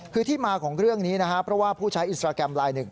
คือที่มาของเรื่องนี้นะครับเพราะว่าผู้ใช้อินสตราแกรมไลน์หนึ่ง